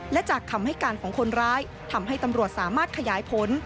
และจากคำให้การของคนร้ายทำให้ตำรวจสามารถขยายผล